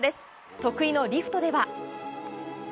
得意のリフトでは。